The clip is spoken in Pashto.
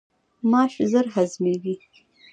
ماش ژر هضمیږي.